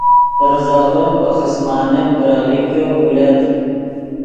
ریزغے پے خسمانیک بریغیکے اولت